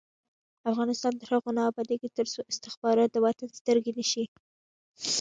افغانستان تر هغو نه ابادیږي، ترڅو استخبارات د وطن سترګې نشي.